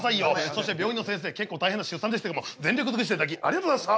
そして病院のせんせい結構大変な出産でしたけども全力尽くしていただきありがとうございました。